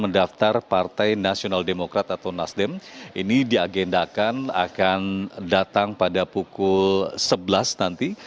mendaftar partai nasional demokrat atau nasdem ini diagendakan akan datang pada pukul sebelas nanti